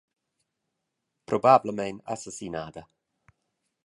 Probablamein assassinada.